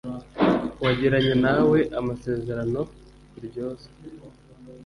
wagiranye nawe amasezerano uryozwa